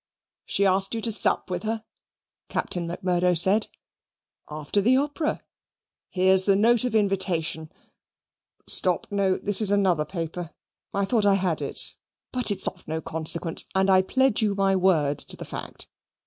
'" "She asked you to sup with her?" Captain Macmurdo said. "After the opera. Here's the note of invitation stop no, this is another paper I thought I had it, but it's of no consequence, and I pledge you my word to the fact.